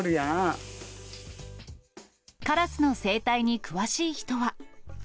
カラスの生態に詳しい人は。